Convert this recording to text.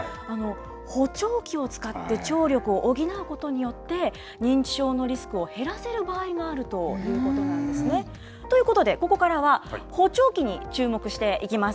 補聴器を使って聴力を補うことによって、認知症のリスクを減らせる場合もあるということなんですね。ということで、ここからは、補聴器に注目していきます。